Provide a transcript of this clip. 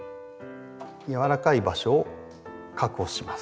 やわらかい場所を確保します。